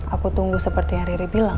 aku tunggu seperti heri riri bilang